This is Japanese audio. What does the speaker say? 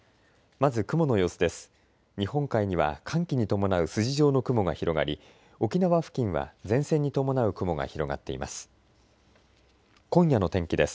まず雲の様子です。